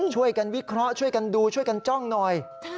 ช่วยกันวิเคราะห์ช่วยกันดูช่วยกันจ้องหน่อย